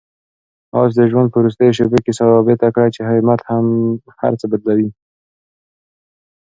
آس د ژوند په وروستیو شېبو کې ثابته کړه چې همت هر څه بدلوي.